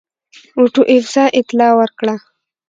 اوټو ایفز اطلاع ورکړه.